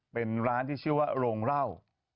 เป็นร้านที่ชื่อว่าโรงเหล้า